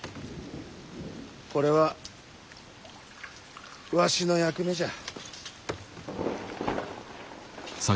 これはわしの役目じゃ。